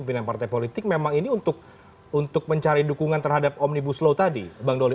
pimpinan partai politik memang ini untuk mencari dukungan terhadap omnibus law tadi bang doli